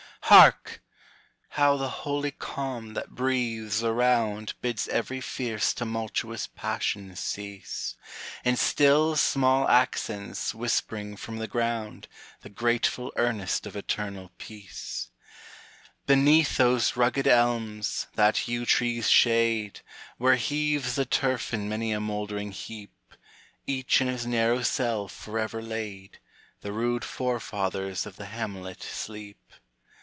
[Hark! how the holy calm that breathes around Bids every fierce tumultuous passion cease; In still small accents whispering from the ground The grateful earnest of eternal peace.] Beneath those rugged elms, that yew tree's shade. Where heaves the turf in many a moldering heap, Each in his narrow cell forever laid, The rude forefathers of the hamlet sleep.